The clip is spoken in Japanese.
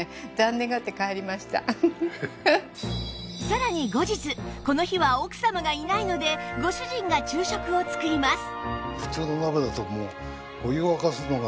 さらに後日この日は奥様がいないのでご主人が昼食を作ります